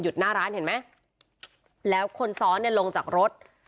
หน้าร้านเห็นไหมแล้วคนซ้อนเนี่ยลงจากรถ